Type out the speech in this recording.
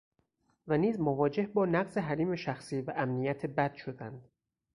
و نیز مواجهه با نقض حریم شخصی و امنیت بد شدند